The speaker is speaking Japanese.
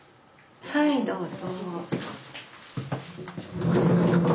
はいどうぞ。